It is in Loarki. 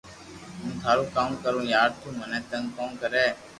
ھون ٿارو ڪاوُ ڪرو يار تو منو تنگ ڪو ڪرو